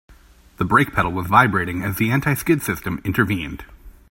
The brake pedal was vibrating as the anti-skid system intervened.